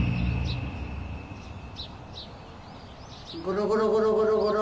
ゴロゴロゴロゴロゴロ。